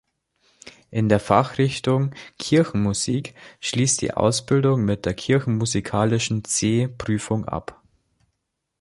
In der Fachrichtung Kirchenmusik schließt die Ausbildung mit der kirchenmusikalischen C-Prüfung ab.